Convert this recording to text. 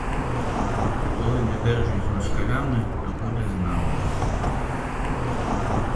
Коли не держить з москалями, то буде з нами.